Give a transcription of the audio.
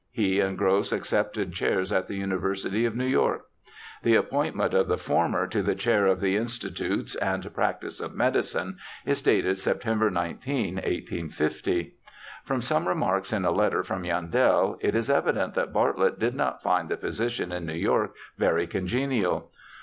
He and Gross accepted chairs in the University of New York. The appointment of the former to the chair of the institutes and practice of medicine is dated Sept. 19, 1850. From some remarks in a letter from Yandell it is evident that Bartlett did not find the position in New York very congenial.